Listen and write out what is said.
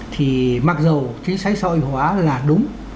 thì mặc dù chính sách xoay hóa là đúng